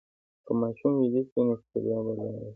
که ماشوم ویده شي، نو ستړیا به لاړه شي.